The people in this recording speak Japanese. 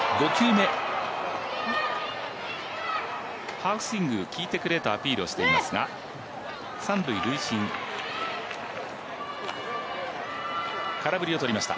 ハーフスイング入っているか見てくれとアピールしていましたが三塁塁審、空振りを取りました